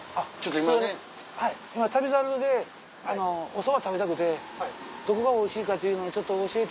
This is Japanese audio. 今『旅猿』でおそば食べたくてどこがおいしいかっていうのをちょっと教えて。